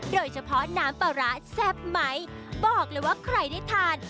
โดยเฉพาะน้ำปลาร้าแซ่บไหมบอกเลยว่าใครได้ทาน